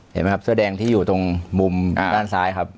เห็นไหมครับเสื้อแดงที่อยู่ตรงมุมด้านซ้ายครับ